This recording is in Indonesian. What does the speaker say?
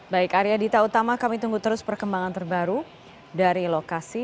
baik arya dita utama kami tunggu terus perkembangan terbaru dari lokasi